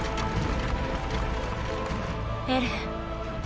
エレン。